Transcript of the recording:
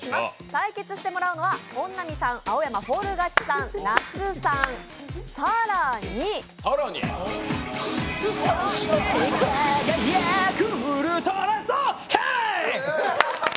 対決してもらうのは本並さん、青山フォール勝ちさん那須さん、更にそして輝くウルトラソウル、ヘイ！